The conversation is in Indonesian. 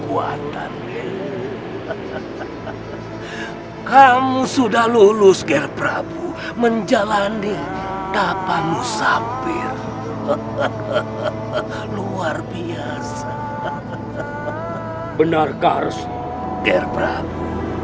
kekuatan kamu sudah lulus ger prabu menjalani kapal musabir luar biasa benarkah rasul ger prabu